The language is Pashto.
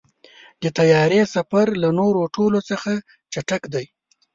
د طیارې سفر له نورو ټولو څخه چټک دی.